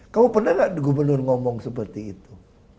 kamu pernah gak gubernur ngomong seperti itu